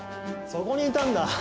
そこにいたんだ。